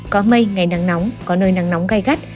có mây ngày nắng nóng có nơi nắng nóng gai gắt